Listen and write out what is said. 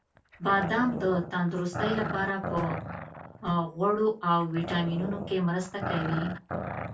• بادام د تندرستۍ لپاره په غوړو او ویټامینونو کې مرسته کوي.